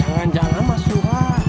jangan jangan mas suha